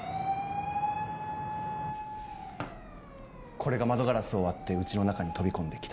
これが窓ガラスを割って家の中に飛び込んで来た？